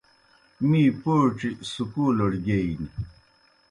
می پوڇیْ سکولڑ گیئی نیْ۔